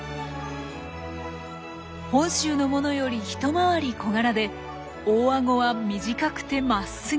本州のものより一回り小柄で大アゴは短くてまっすぐ。